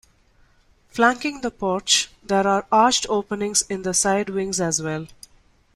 Flanking the porch, there are arched openings in the side wings as well.